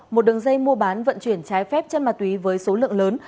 một đường dây mua bán vận chuyển trái phép chân ma túy với số lượng lớn